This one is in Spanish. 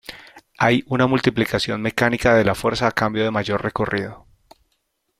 Hay una multiplicación mecánica de la fuerza a cambio de mayor recorrido.